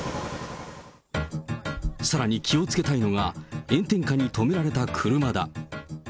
さらに気をつけたいのが、炎天下に止められた車だ。